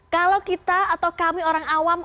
kalau kita atau kami orang awam